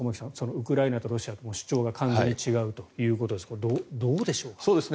ウクライナとロシアの主張が完全に違うということですがどうでしょうか？